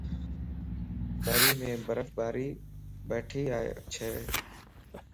مريءَ مَ برف باري ٻھڻي چھهَ